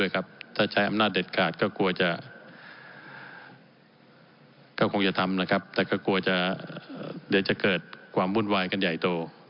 เขาก็คงจะทำนะครับแต่ก็กลัวจะเดี๋ยวจะเกิดความวุ่นวายกันใหญ่โต